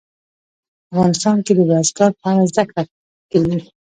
افغانستان کې د بزګان په اړه زده کړه کېږي.